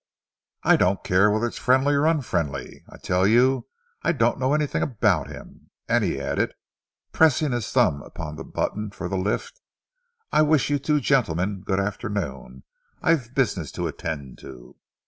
"I don't care whether it's friendly or unfriendly. I tell you I don't know anything about him. And," he added, pressing his thumb upon the button for the lift, "I'll wish you two gentlemen good afternoon. I've business to attend to."